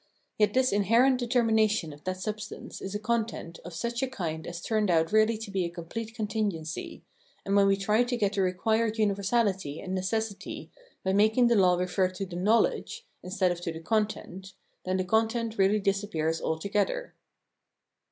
Yet this inherent determination of that substance is a content of such a kind as turned out really to be a complete contingency, and when we try to get the required universality and necessity by making the law refer to the knowledge [instead of to the content], then the content really disappears altogether.